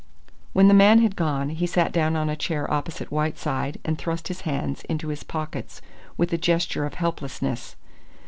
When the man had gone, he sat down on a chair opposite Whiteside and thrust his hands into his pockets with a gesture of helplessness.